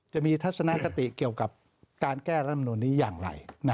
จะมีทัศนกติเกี่ยวกับการแก้ลำนูนนี้อย่างไร